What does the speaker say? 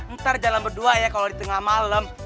ntar jalan berdua ya kalau di tengah malam